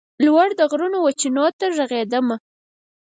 لوړ د غرونو وچېنو ته ږغېدمه